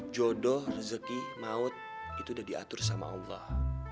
jodoh rezeki maut itu udah diatur sama allah